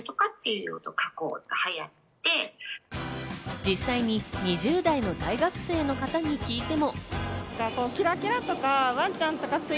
実際に２０代の大学生の方に聞いても。